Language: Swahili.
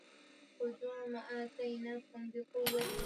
atakuwa na mambo mawili ya kukabiliana nayo